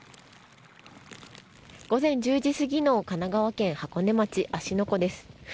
午前１０時すぎの神奈川県箱根町芦ノ湖です。